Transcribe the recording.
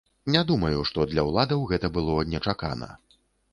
Не думаю, што для ўладаў гэта было нечакана.